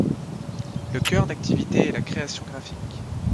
Le cœur d’activité est la création graphique.